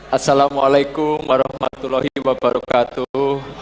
assalamualaikum warahmatullahi wabarakatuh